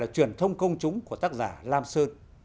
mà là truyền thông công chúng của tác giả lam sơn